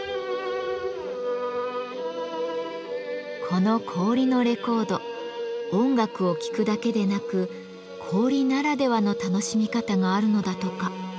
この氷のレコード音楽を聴くだけでなく氷ならではの楽しみ方があるのだとか。